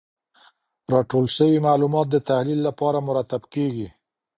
راټول سوي معلومات د تحلیل لپاره مرتب کیږي.